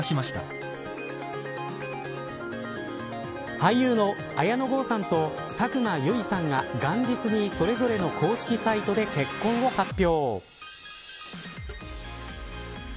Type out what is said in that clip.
俳優の綾野剛さんと佐久間由衣さんが元日に、それぞれの公式サイトで結婚を発表。